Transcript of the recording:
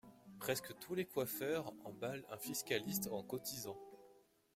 Presque tous les coiffeurs emballent un fiscaliste en cotisant.